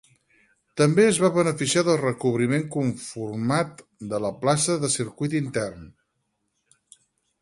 També es va beneficiar del recobriment conformat de la placa de circuit intern.